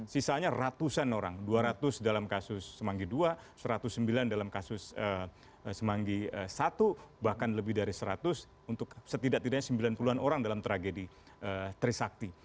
sisanya ratusan orang dua ratus dalam kasus semanggi ii satu ratus sembilan dalam kasus semanggi satu bahkan lebih dari seratus untuk setidak tidaknya sembilan puluh an orang dalam tragedi trisakti